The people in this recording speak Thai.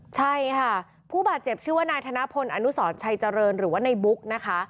ใช่ค่ะผู้บาดเจ็บชื่อว่านายธนพลอนุสรชัยเจริญหรือว่าในบุ๊กนะคะ